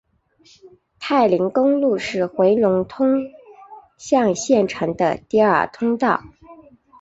太临公路是回龙通向县城的第二通道。